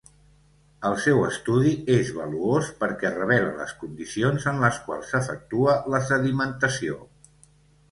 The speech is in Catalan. El seu estudi és valuós perquè revela les condicions en les quals s'efectua la sedimentació.